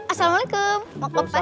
assalamualaikum mau ke pasar